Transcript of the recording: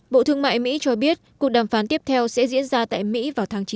bộ thương mại mỹ cho biết cuộc đàm phán tiếp theo sẽ diễn ra tại mỹ vào tháng chín tới